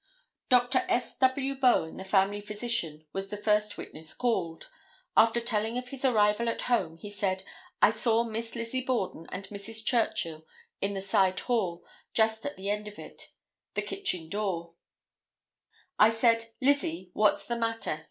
Dr. S. W. Bowen, the family physician, was the first witness called. After telling of his arrival at home he said: "I saw Miss Lizzie Borden and Mrs. Churchill in the side hall, just at the end of it, the kitchen door; I said, 'Lizzie, what's the matter?